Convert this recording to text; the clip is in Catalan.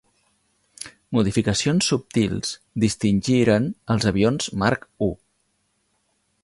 Modificacions subtils distingiren els avions Mark I.